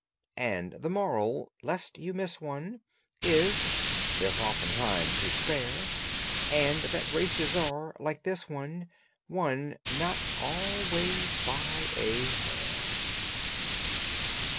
And THE MORAL (lest you miss one) Is: There's often time to spare, And that races are (like this one) Won not always by a hair.